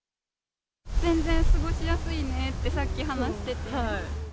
全然過ごしやすいねってさっき話してて。